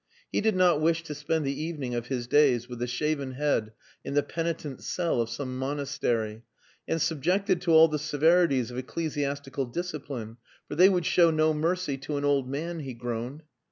He did not wish to spend the evening of his days with a shaven head in the penitent's cell of some monastery "and subjected to all the severities of ecclesiastical discipline; for they would show no mercy to an old man," he groaned.